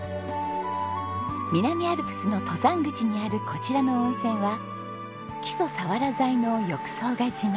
南アルプスの登山口にあるこちらの温泉は木曽さわら材の浴槽が自慢。